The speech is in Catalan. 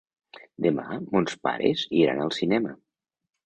Demà mons pares iran al cinema.